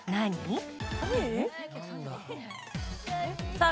さあ